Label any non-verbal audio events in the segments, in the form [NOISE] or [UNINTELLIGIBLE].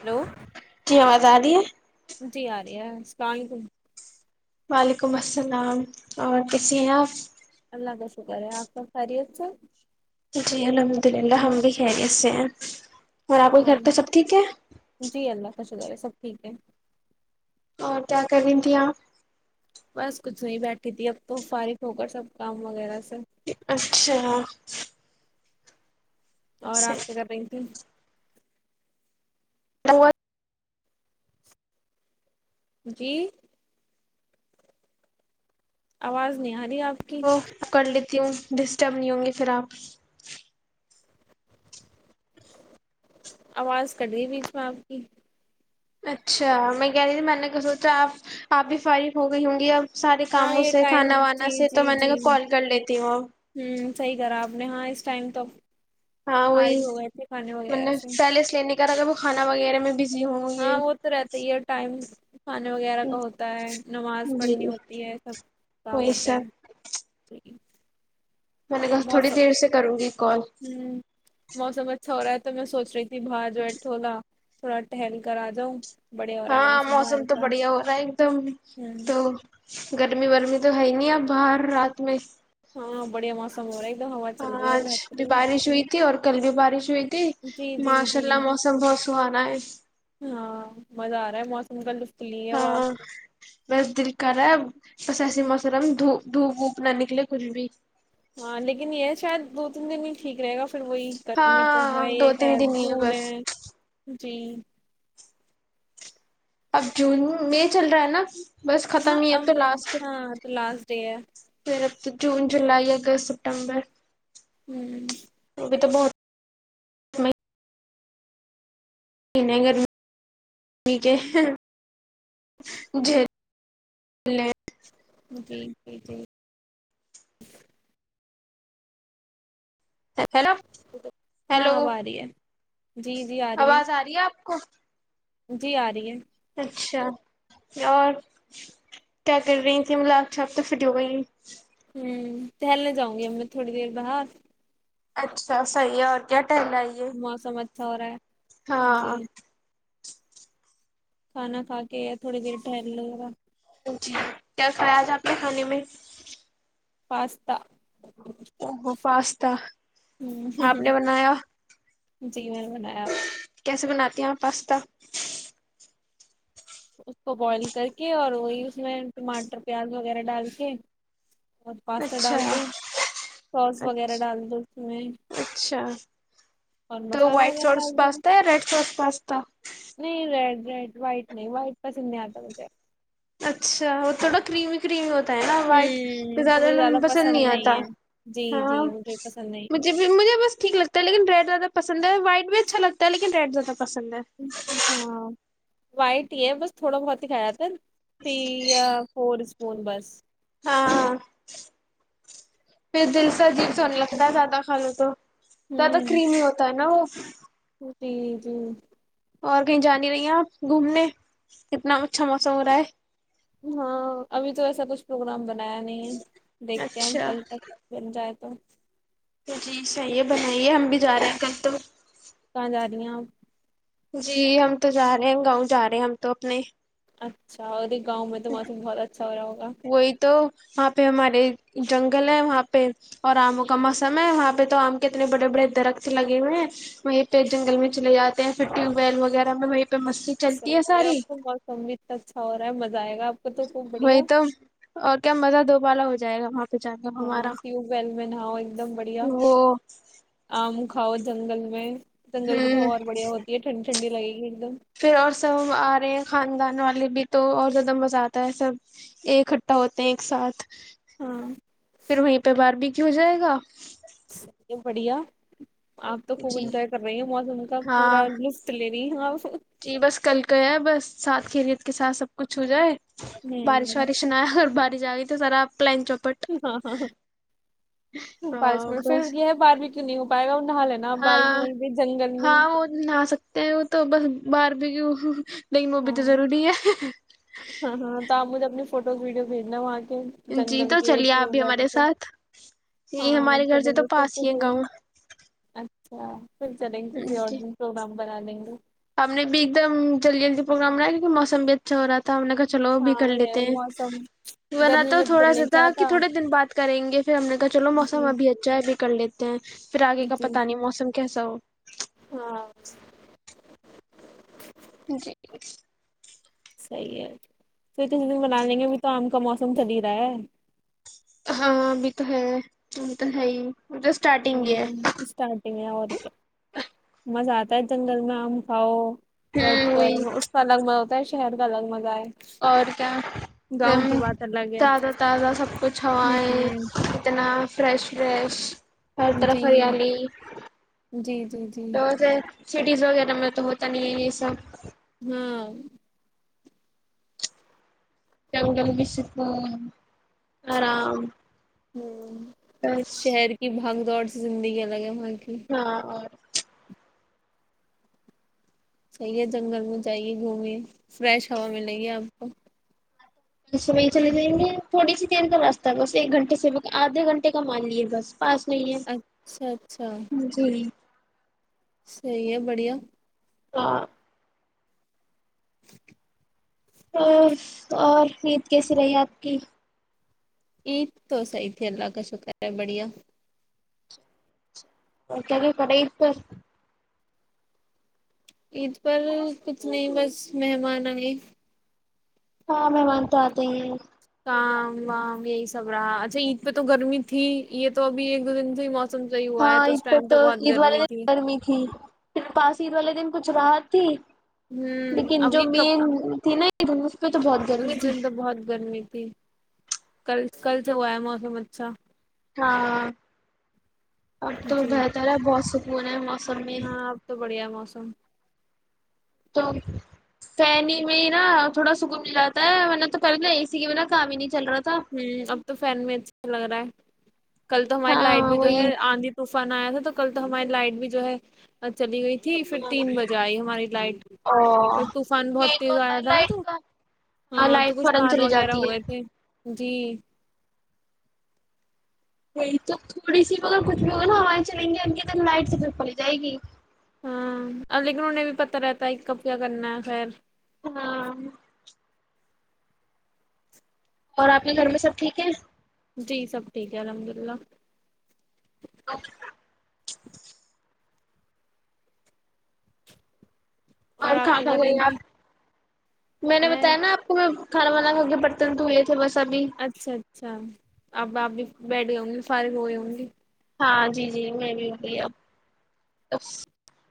Hello جی آواز آ رہی ہے جی آ رہ ہے اللام علیکم وعلیکم السلام اور کسی ہیں آپ [INAUDIBLE] اللہ کا شکر ہے آپ کا خیریت سے جی الحمد للہ ہم بھی ہیں ایس سے ہیں اور آپ کے گھر تو سب ٹھیک ہے بشغیر ہے سب ٹھیک ہے اور کیا کر رہی تھی آپ بس کچھ نہیں بیٹھی تھی اب تو فارغ ہو کر سب کام وغیرہ سے اچھا اور آپ کیا صحیح کر رہی تھے وہ جی آواز نہیں ہے اوک کیوں ڈسٹرب نہیں ہوں گی پھر آپ آواز رہی بیچ میں آپ کی اچھا میں کہہ رہی تھی میں نے کیا سوچا آپ آپ بھی فارغ ہو گئی ہوں گی اب سارے ہاں کاموں یہ سے ٹائم کھانا وانا جی سے تو جی میں نے جی کال کر لیتی ہوں صحیح کرا اپ نے ہاں اس ٹائم تو ہاں وہی فارغ ہو گئے تھے کھانے وغیرہ سے پیلس لینے وہ کھا وغیرہ میں بھی ہاں وہ تو رہتا یہ ٹائم کھانے وغیرہ کا ہوتا ہے نماز جی پڑھنی ہوتی ہے سب کام وہی ہوتا ہیں سب جی میں نے کہا تھوڑی موسم دیر سے کروں گی کال ہوں موسم اچھا ہو رہا ہے تو میں سوچ رہی تھی باہر جو ہے ٹولہ تھوڑا ٹہل کر آ جاؤں بڑھیا ہو رہا ہے ہاں موسم باہر تو کا بڑھیا ہو رہا ہے ایک دم ہوں تو گر گرمی رمی تو ہے ہی نہیں ا باہر رات میں ہاں بڑھیا معسم ہو رہے آج بھی بارش ہوئی تھی اور کل بھی بارش ہوئی تھی جی جی ماشاء جی اللہ موسم بہت سہانا ہے ہاں مزہ آ رہا ہے موسم کا لف ہاں بس دل کر رہا پ محرم د دھوپ ووپ نہ نکلے کچھ بھی ہاں لیکن یہ شاید دو تین دن ہی ٹھیک رہے گا پھر وہی گرمی تو ہو ہاں دو یہ تین خیر دن ہی جون بس ہے جی اب جون مے چل رہا ہے نا بس ہاں ختم ہی اب تو لاسٹ ہاں تو لاسٹ ج [UNINTELLIGIBLE] پھر اب تو جون جولائی اگست سپتمبر میں ہوں [UNINTELLIGIBLE] ج ن گھر ج [UNINTELLIGIBLE] جی جی جی ہیلو ہاں ہیلو اب آ رہی ہے آواز آ رہی ہے آپ کو جی آ رہی ہے اچھا اور کیا کر رہی ہیں ت ملاق چھاپ تو فٹی ہو گئی ہے ہوں ٹہلنے جاؤں گی ہم میں تھوڑی دیر باہر اچھا صحیح ہے اور کیا ٹ لائیے موسم اچھا ہو رہا ہے ہاں جی کھانا کھا کے تھوڑی دیر ٹہم لے گا جی کیا خیاد ہے آپ کے کھانے میں پاستتا اوہو پاستا ہوں ہوں ہ آپ نے [UNINTELLIGIBLE] بنایا جی میں نے بنایا کیسے بناتی ہیں پاستا اس کو بوائل کر کے اور وہی اس میں ٹماٹر پیاز وغیرہ ڈال کے اور پاستا اچھا ڈال دو سوس وغیرہ اچھ ڈال دو اس میں اچھا اور تو مسالہ وائٹ وغیرہ سوس ڈال دو پاستا یا ریڈ سوس پاستا نہیں ریڈ ریڈ وائٹ نہیں وائٹ پسند نہیں آتا مجھے اچھا اور تھوڑا کریمی کریمی ہوتا نا وائٹ تو ہوں زیادہ مجھے پسند نہیں آتا ہے جی ہاں جی مجھے پسند نہیں ہے مجھ مجھے بس ٹھیک لگتا ہے لیکن ریڈ زیادہ پسند ہے وائٹ بھی اچھا لگتا لیکن ریڈ زدہ پسند ہے ہاں وائٹ ہی ہے بس تھوڑا بہت ہی کھایا تھا نا پیا فور اسپون بس ہاں ہاں پھر دل سے عجیب سنے لگتا ہے زیادہ کھانے تو زیادہ ہوں کریمی ہوتا ہے نا وہ جی جی جی اور کہیں جاانی رہی ہیں آپ گھومنے کتنا اچھا موسم ہو رہا ہے ہاں ابھی تو ایسا کچھ پروگرام ب نہیں دیکھتے ہم اچھا کل تک بن جائے تو تو جی صحیح ہے بنائیے ہم بھی جا رہے ہیں کل تو جڑیا جی ہم تو جا رہے ہیں گاؤں جا رہے ہیں ہم تو اپنے اچھا اور گاں تو مسم بہت اچھا ہو رہا ہوگا وہی تو وہاں پہ ہمارے جنگل ہے وہاں پہ اور آموں کا موسم ہے وہاں پہ تو آم کے اتنے بڑے بڑے درخت لگے ہو ہیں وہیں پہ جنگل میں چے جاتے ہیں پگ ویل وغیرہ میں وہ پہ مستی چلتی صحیح ہے اب ساری تو موسم بھی اتنا اچھا ہو رہا ہے مزہ آئے گا اب وہی تو اور کیا مزہ دو پا جائے گ وہاں پہ جا کے ہمارا ہاں ٹیوب ویل میں نہاؤ ایک دم بڑیاک وہ ہاؤ جنگل میں جنگل کی تو ہوں ہوار بڑھیا ہوتی ہے ٹھنڈی ٹنڈ لگے گی دم پھر اور سب ہم آ رہے ہیں خاندان والے بھی تو اور زیادہ مزہ آتا ہے سب اکٹھا ہوتے ہیں ایک ساتھ ہاں پھر وہیں پہ باہ بھی کیوں ہو جائے گا بڑھیا آپ تو خوب جی انجوائے کر رہی ہیں موسم کا پورا ہاں لطف لے ج ہاں [UNINTELLIGIBLE] جی بس کل کا بس سات خریت کے ساتھ سب کچھ ہو جائے بارش وارش نہیا اور بارش ج گی [UNINTELLIGIBLE] توذر آپ ہاں ہاں ہاں بائیس ہاں منٹ پھر بس یہ ہے بعد میں کیوں نہیں ہو پائے گا نہا لینا آپ بارش ہاں میں وہیں پہ جنگل میں ہاں وہ نہا سکتے ہیں وہ تو بس بار ایک [UNINTELLIGIBLE] نہیں موبھی ہاں تو ضروری ہے ہاں ہاں تو آپ مجھے اپنی فوٹوز وڈیو بھیجنا آ جی تو چلیے آپ بھی ہمارے ساتھ یہ ہاں ہمارے گھر سے چلیں تو گے پھر پاس ہی ہے کسی دن گاؤں اچھا [UNINTELLIGIBLE] پھر چلیں گے آن جی پروگرام بنا دیں گے ہم نے بھی ایک دم جلدی جلدی پروگرام بنایا کیونکہ موسم بھی اچھا رہا تھا ہم نے کہا چلو وہ بھی ہاں کر یہ لیتے ہیں موسم بنا گرمی تو میں تھوڑا دل سا نہیں تھا کہ چاہتا تھوڑے دن بد کریں گے پھر ہم نے کہا چلو موسم جی ابھی اچھا ہے اب کر لیتے ہیں پھر آگے کا جی پتا نہیں موسم کیسا ہو ہاں جی صحیح ہے پھر کس دن بنا لیں گے ابھی تو آم کا موسم چلی رہا ہے ہاں ابھی تو ہے ا تو ہے ہی تو ہ اسٹارٹنگ ہی ہے اسٹارٹیگ اورکیا مزا آ پ جنل میں آم کاؤ بیٹھ ہوں کر وہی اس کا الگ میں ت شہر گالگ مزہ ہے اور کیا گاؤں کی بات الگ ہے تازہ تازہ سب کچھ ہوا ہے ہوں اتنا فریش فریش ہ طرف جی ہرییالی جی جی جی تو ہے سٹیز وغیرہ میں تو ہوتا نہیں ہے یہ سب ہاں کیاٹ بھی س آرام [UNINTELLIGIBLE] ہوں بس شہر کی بھگ گاڈ سے زندگی الگ ہے کی ہاں اور صحیح ہے جنگل میں جائیے گھومے فریش ہوا ملے گی آپ کو چلے جائیں گے تھوڑی سی دیر کا راستہ ہے بس ایک گھنٹے سے آدھے گھنٹے کا مان لیے بس پاس نہیں اچھا اچھا ہے جی صحی ہے بڑھیا [INAUDIBLE] [INAUDIBLE] اور اور عید کیسی رہی آپ کی عید تو سحی تھی اللہ کا شکر ہے بڑھیا [UNINTELLIGIBLE] عید پر کچھ نہیں بس مہمان آئے ہاں مہمان تو آتے ہی کام وام یہی سب رہا اچھا عید پہ تو گرمی تھی یہ تو ابھی ایک دو دن سے موسم صحیح ہوا ہے ہاں اس ایدهر ٹائم تو بہت عید والے گرمی تھی گرمی تھی پاس عید والے دن کچھ راحت تھی ہوں لیکن اب جو یہ بھی کب تھی نا [INAUDIBLE] اس گرمی تھی دن تو بہت گرمی تھی کل کل سے ہوا ہے موسم اچھا ہاں اب تو جی بہتر ہے بہت سکون ہے موسم میں ہاں اب تو بڑھیا ہے موسم تو فین میں ہی نا تھوڑا سکون دلاتا ہے ورنا تو کل اسی کے بنا کام ہی نہیں چل رہا تھا ہوں اب تو فین میں اچھا لگ رہا ہے کل تو ہماری لائٹ ہاں بھی جو وہی ہے آندھی تو فان آیا تھا تو کل تو ہماری لائٹ بھی جو ہے چلی گئی تھی پھر تین بجے آئی ہماری لائٹ او تو طوفان بہت یہی تو تیز ہوتا آیا ہے تھا نا تو لائٹ کا ہاں تو لائٹ کچھ فورن تار چلی وغیرہ جاتی ہو ہے گئے تھے جی وہی تو تھوڑی سی اگر کچھ بھی ہوا نا چلیں گی نا تو لائٹ سب سے پہلے جائے گی انہوں نے بھی پتا رہتا ہے کب کیا کرنا ہے خیر ہاں اور آپ کے گھر میں سب ٹھیک ہے جی سب ٹھیک ہے الحمد للہ [INAUDIBLE] اور آپ کہاں کیا کہاں کر گی رہی تھی آپ میں نے بتایا نا آپ کو میں کھانا وانا کھا کے برتن دھو لے تی اچھا اچھا اب آپ بھی بیٹھ گی ہوں گی فارغ ہو گی ہوگی ہاں جی جی میں بھی ہو بھی اب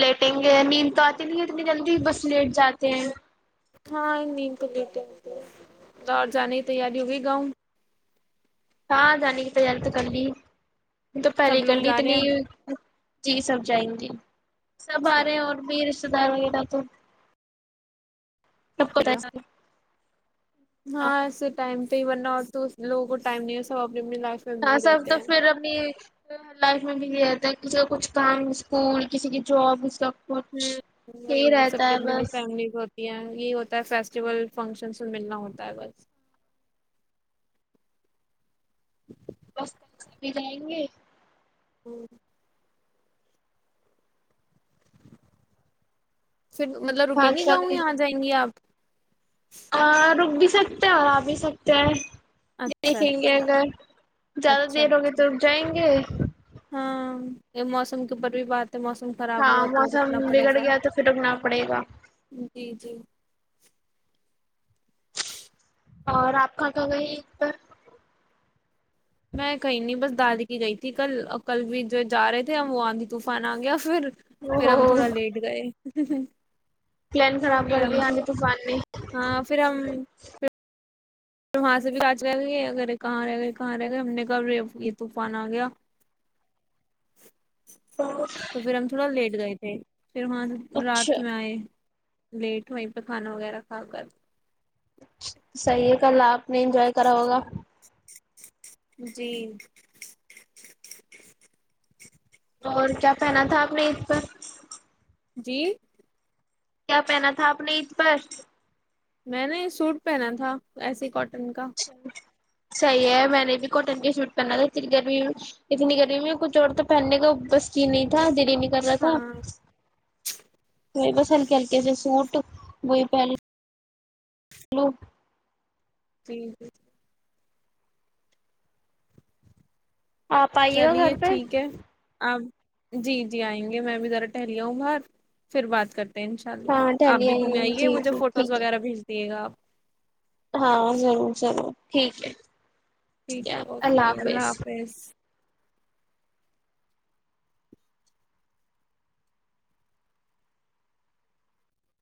لیٹیں گے نیند تو آتی نہیں ہے اتنی جلدی بس لیٹ جاتے ہیں ہاں نیند تو لیٹ ہی اتی ہے خدا جانے تیاری ہوئی گاؤں ہاں جانے کی تیاری تو کر لی یہ تو پہلے ہی سب کر لوگ لی جا رہے اتنی ہیں جی سب جائیں گے سب آ رہے اچھا ہیں اور بھییر سدار وغیرہ تو سب پتا چلے ہاںسے ٹائم تو ورنہ تو لوگوں کو ٹائم نہیں ہے سب اپنی لائف میں ہ بزی سب رہتے تو ہیں پھر اپنی لائف میں بھی یہ رہتا ہے اس کا کچھ کام اسکول کسی کی جاب اس کا ہ کچھ وہی یہی وہ رہتا سب ہے اپنینی بس فیملی کو یہ ہوتا ہے فیسٹیول فنکشن ملنا ہوتا ہے بس [INAUDIBLE] بس پنسا بھی جائیں گے ہوں پھر مطلب رکیں گی گاؤں یہاں آ جائیں گی آپ آ رب دی سکتے ہیں اور آ بھی سکتے ہیں اچھا دیکھیں گے اچھا اگر زیادہ اچھا دیر ہوگی تو جائیں گے ہ۔ ہاں یہ موسم کے اوپر بھی بات موسم خراب ہاں ہوا تو موسم رکنا پڑے بگڑ گا گیا تو پھر رکنا پڑے گا جی جی اور آپ کا کیا کہی ایک پر میں کہیں نہیں بس دادی کی گئی تھی کل کل بھی جو جا رہے تھے ہم وہ آندھی طوفان آ گیا پھر وہ پھر ہم ہو تھوڑا لیٹ گئے ج ہ پلن خراب کر گیا آنی طفان میں اور وہاں سے بھی آچ گ گ یہ اے کہاں رہ گے کہاں رہ گئے ہم نے گھر یہ طوفان آ گیا تو پھر ہم تھوڑا لیٹ ے پھر وہاں سے اچھا رات میں آئے لیٹ ہویں پہ کھانا وغیرہ کھا کر چ صحیح کل آپ نے انجوائے کرا ہوگا جی اور کیا پہنا تھا آپ نے اسید پر جی کیا پہنا تھا آپ نے عید پر میں نے سوٹ پہنا تھا ایسی کاٹ انن کا صحیح ہے میں نے بھی کاٹن کے شوٹ پہنا تھا اتنی گرمی اتنی گرمی میں کچھ اور تو پہننے کا بسی نہیں تھا دی کر رہا تھا ہاں نہیں بس ہلکے ہلکے سے سوٹ وہئی پہل للو ٹھیک ہے آپ آئیے گا چلیے گھر پہ ٹھیک ہے آپ جی جی آئیں گے میں بھی ذرا ٹہلیا ہوں باہر پھر بات کرتے انشاء اللہ ہاں آپ ٹہلی بھی گھومے آئیے جی مجھے جی فوٹوز ٹھیک وغیرہ ہے بھیج دییے گ آپ ہاں ضرور ضرور ٹھیک ہے ٹھیک ہے اوکے اللہ حافظ